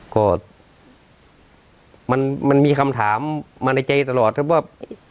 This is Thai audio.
ก็มันมีคำถามมาในใจตลอดครับว่า